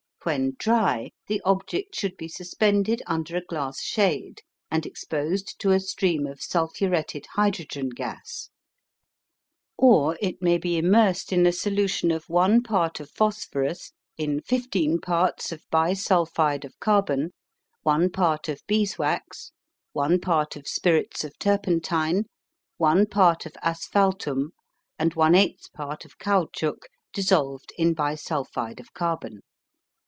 When dry, the object should be suspended under a glass shade and exposed to a stream of sulphuretted hydrogen gas; or it may be immersed in a solution of 1 part of phosphorus in 15 parts of bisulphide of carbon, 1 part of bees wax, 1 part of spirits of turpentine, 1 part of asphaltum, and 1/8 part of caoutchouc dissolved in bisulphide of carbon.